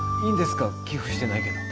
寄付してないけど。